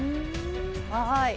はい。